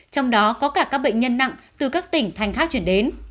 trong đó có cả các bệnh nhân nặng từ các tỉnh thành khác chuyển đến